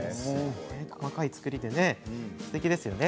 細かい作りでね、すてきですよね。